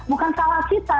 bukan salah kita